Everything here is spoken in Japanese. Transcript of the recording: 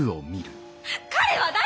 彼は誰！？